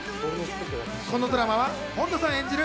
このドラマは本田さん演じる